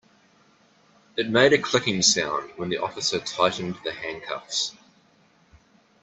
It made a clicking sound when the officer tightened the handcuffs.